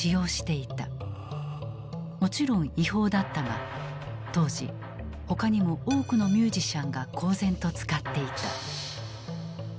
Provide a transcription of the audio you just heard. もちろん違法だったが当時他にも多くのミュージシャンが公然と使っていた。